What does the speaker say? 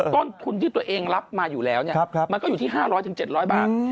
ต้นทุนที่ตัวเองรับมาอยู่แล้วมันก็อยู่ที่๕๐๐๗๐๐บาท